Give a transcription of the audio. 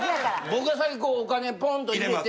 僕はこうお金ポンと入れて。